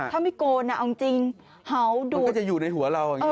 ถ้าไม่โกนเอาจริงเหาดูดมันก็จะอยู่ในหัวเรา